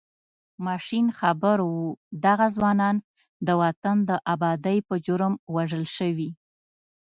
ماشین خبر و دغه ځوانان د وطن د ابادۍ په جرم وژل شوي.